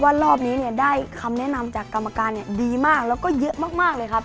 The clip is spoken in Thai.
ว่ารอบนี้ได้คำแนะนำจากกรรมการดีมากและเยอะมาก